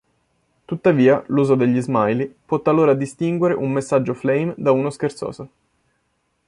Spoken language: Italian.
Tuttavia, l'uso degli smiley, può talora distinguere un messaggio flame da uno scherzoso.